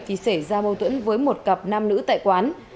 thì xảy ra mâu thuẫn với một cặp nam nữ tại quán